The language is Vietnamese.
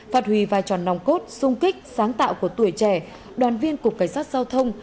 phạt hủy vai tròn nòng cốt sung kích sáng tạo của tuổi trẻ đoàn viên cục cảnh sát giao thông